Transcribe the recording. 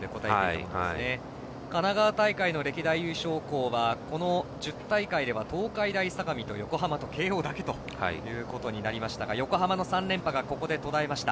神奈川大会の歴代優勝校はこの１０大会では東海大相模と横浜と慶応だけということになりましたが横浜の３連覇がここで途絶えました。